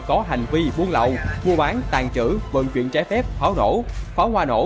có hành vi buôn lậu mua bán tàn trữ phận chuyển trái phép pháo nổ pháo hòa nổ